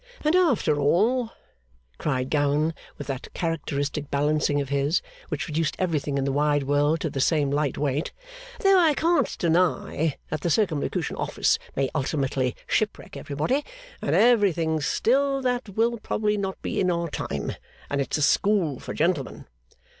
'And after all,' cried Gowan, with that characteristic balancing of his which reduced everything in the wide world to the same light weight, 'though I can't deny that the Circumlocution Office may ultimately shipwreck everybody and everything, still, that will probably not be in our time and it's a school for gentlemen.